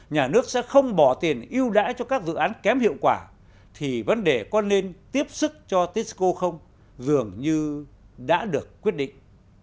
nhà nước sẽ không bỏ tiền yêu đãi cho các dự án kém hiệu quả thì vấn đề có nên tiếp sức cho tisco dường như đã được quyết định